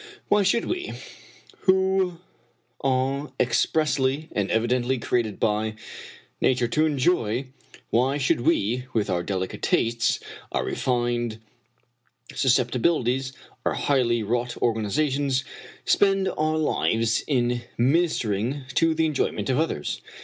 Why should we — ^who are ex pressly and evidently created by nature to enjoy — why should we, with our delicate tastes, our refined suscepti bilities, our highly wrought organizations, spend our lives in ministering to the enjoyment of others?